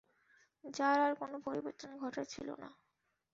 যার আর কোনো পরিবর্তন ঘটার ছিল না।